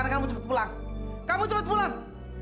kamu cepet pulang kamu cepat pulang